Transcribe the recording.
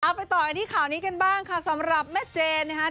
ไปต่อกันที่ข่าวนี้กันบ้างค่ะสำหรับแม่เจนนะครับ